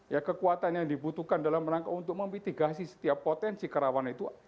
ya kekuatan yang dibutuhkan dalam rangka untuk memitigasi setiap potensi kerawanan itu